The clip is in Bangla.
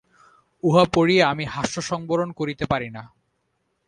উহা পড়িয়া আমি হাস্য সংবরণ করিতে পারি না।